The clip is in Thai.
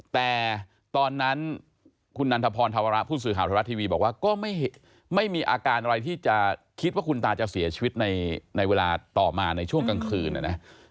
แต่ตอนนั้นคุณนันทพรธวระผู้สื่อข่าวธรรมรัฐทีวีบอกว่าก็ไม่มีอาการอะไรที่จะคิดว่าคุณตาจะเสียชีวิตในเวลาต่อมาในช่วงกลางคืนนะนะ